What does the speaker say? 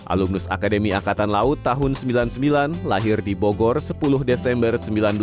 alumnus akademi angkatan laut tahun seribu sembilan ratus sembilan puluh sembilan lahir di bogor sepuluh desember seribu sembilan ratus sembilan puluh